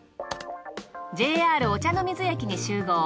ＪＲ御茶ノ水駅に集合。